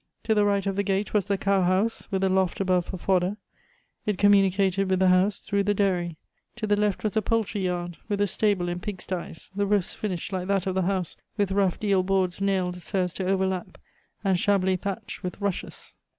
To the right of the gate was the cowhouse, with a loft above for fodder; it communicated with the house through the dairy. To the left was a poultry yard, with a stable and pig styes, the roofs finished, like that of the house, with rough deal boards nailed so as to overlap, and shabbily thatched with rushes.